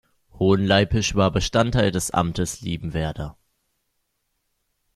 Hohenleipisch war Bestandteil des Amtes Liebenwerda.